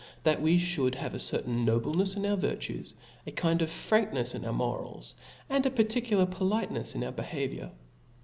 fbaf we Jhould have a certain no CbapJs. hknefs in our virtues^ a kind of franknefs in our mo rals^ and a particular politenefs in our behaviour.